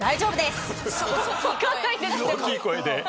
大きい声で。